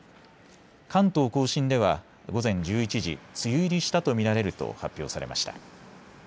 関東甲信では午前１１時、梅雨入りしたと見られると発表されました。